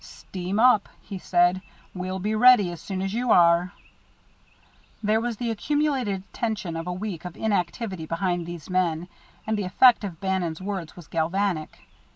"Steam up," he said. "We'll be ready as soon as you are." There was the accumulated tension of a week of inactivity behind these men, and the effect of Bannon's words was galvanic.